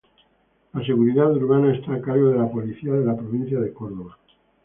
La seguridad urbana está a cargo de la Policía de la provincia de Córdoba.